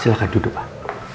silahkan duduk pak